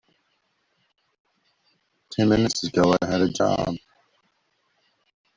Ten minutes ago I had a job.